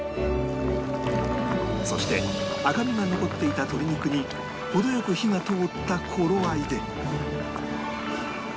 そして赤みが残っていた鶏肉に程良く火が通った頃合いで